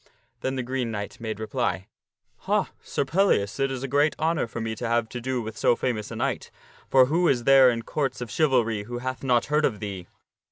Then the Green Knight made reply, " Ha, Sir Pellias, it is a great honor for me to have to do with so famous a knight, for who is there in Courts of Chivalry who hath not heard of thee?